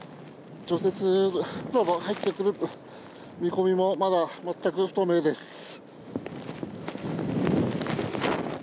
除雪車が入ってくる見込みも、まだ全く不透明です。